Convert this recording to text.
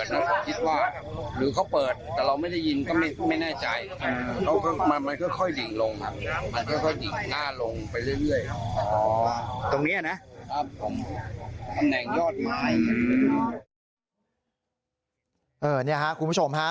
เนี่ยครับคุณผู้ชมครับ